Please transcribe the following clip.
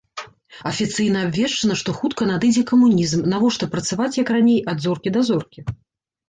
Афіцыйна абвешчана, што хутка надыдзе камунізм, навошта працаваць як раней ад зоркі да зоркі.